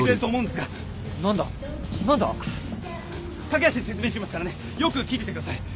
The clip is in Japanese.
駆け足で説明しますからねよく聞いててください。